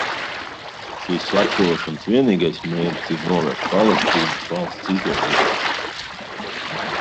Šīs slepkavošanas vienīgais mērķis ir novērt Palestīnas valsts izveidošanu.